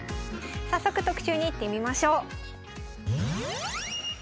早速特集にいってみましょう。